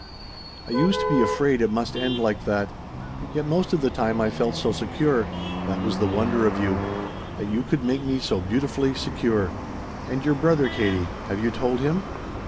"I used to be afraid it must end like that. Yet most of the time I felt so secure that was the wonder of you that you could make me so beautifully secure. And your brother, Katie, have you told him?